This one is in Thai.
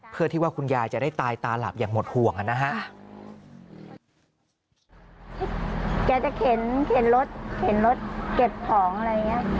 เพื่อที่ว่าคุณยายจะได้ตายตาหลับอย่างหมดห่วงอ่ะนะฮะ